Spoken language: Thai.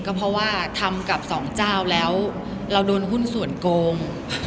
ก็เพราะว่าทำกับสองเจ้าแล้วเราโดนหุ้นส่วนโกง